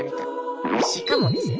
しかもですよ